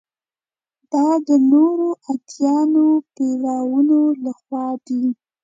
دا د نورو ادیانو پیروانو له خوا ده.